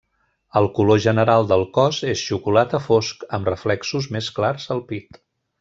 El color general del cos és xocolata fosc, amb reflexos més clars al pit.